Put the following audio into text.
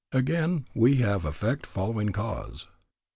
Again we have effect following cause.